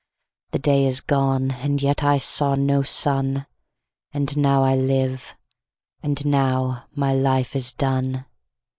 5The day is gone and yet I saw no sun,6And now I live, and now my life is done.